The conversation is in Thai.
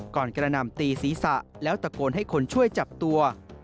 กระหน่ำตีศีรษะแล้วตะโกนให้คนช่วยจับตัว